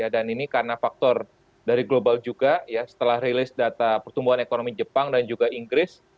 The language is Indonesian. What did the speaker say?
dan ini karena faktor dari global juga setelah rilis data pertumbuhan ekonomi jepang dan juga inggris